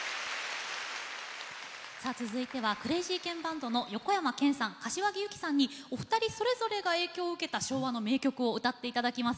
続いてはクレイジーケンバンドの横山剣さん、柏木由紀さんにお二人それぞれが影響を受けた昭和の名曲を歌っていただきます。